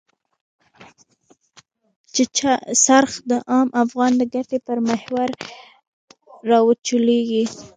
چې څرخ د عام افغان د ګټې پر محور را وچورليږي.